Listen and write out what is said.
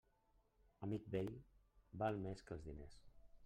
Amic vell val més que els diners.